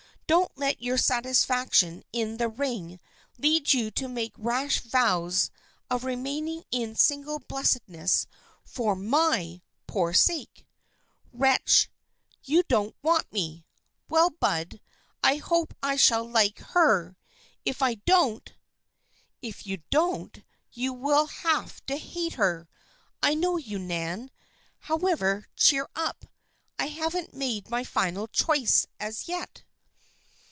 Don't let your satisfaction in the ring lead you to make rash vows of remain ing in single blessedness for my poor sake !"" Wretch ! You don't want me ! Well, Bud, I hope I shall like her. If I don't "" If you don't, you will have to hate her. I know you, Nan. However, cheer up. I haven't made my final choice as yet."